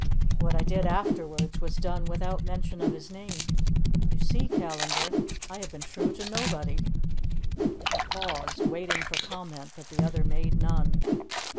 What I did afterwards was done without mention of his name. You see, Callandar, I have been true to nobody." He paused, waiting for comment, but the other made none.